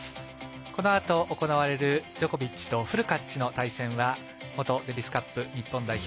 このあと行われるジョコビッチとフルカッチの試合は元デビスカップ日本代表